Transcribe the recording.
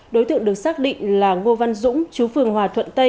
đối tượng được xác định là ngô văn dũng chú phường hòa thuận tây